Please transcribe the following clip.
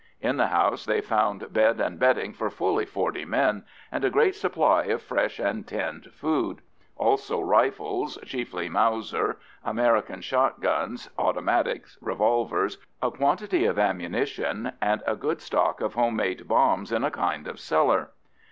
In the house they found bed and bedding for fully forty men, and a great supply of fresh and tinned food; also rifles (chiefly Mauser), American shot guns, automatics, revolvers, a quantity of ammunition, and a good stock of home made bombs in a kind of cellar.